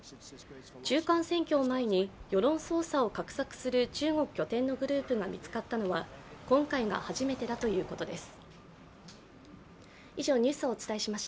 中間選挙を前に世論操作を画策する中国拠点のグループが見つかったのは、今回が初めてだということです。